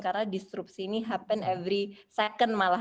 karena distruksi ini berlaku setiap saat malah